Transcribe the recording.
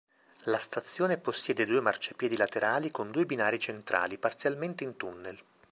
La stazione possiede due marciapiedi laterali con due binari centrali, parzialmente in tunnel.